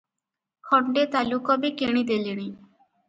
ଖଣ୍ଡେ ତାଲୁକ ବି କିଣି ଦେଲେଣି ।